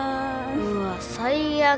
うわ最悪。